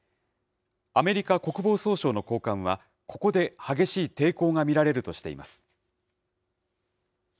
アメリカ国防総省の高官は、ここで激しい抵抗が見られるとしています。